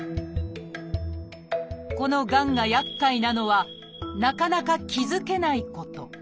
このがんがやっかいなのはなかなか気付けないこと。